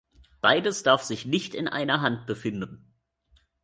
Beides darf sich nicht in einer Hand befinden.